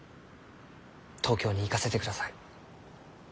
東京に行かせてください。